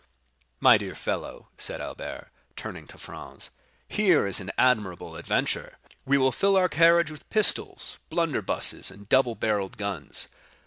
"My dear fellow," said Albert, turning to Franz, "here is an admirable adventure; we will fill our carriage with pistols, blunderbusses, and double barrelled guns.